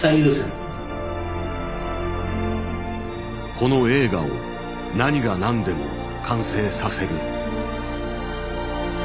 この映画を何が何でも完成させる。